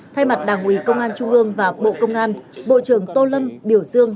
thay mặt đảng ủy công an trung ương và bộ công an bộ trưởng tô lâm biểu dương